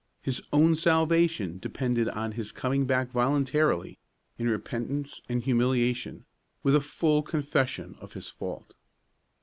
His own salvation depended on his coming back voluntarily in repentance and humiliation, with a full confession of his fault.